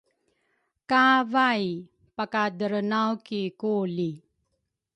kay vai pakaderenaw ki kuli.